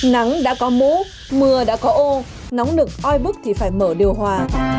nắng đã có mũ mưa đã có ô nóng nực oi bức thì phải mở điều hòa